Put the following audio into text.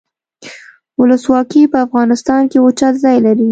ولسواکي په افغانستان کې اوچت ځای لري.